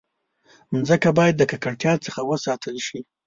مځکه باید د ککړتیا څخه وساتل شي.